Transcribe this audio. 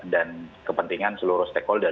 dan kepentingan seluruh stakeholder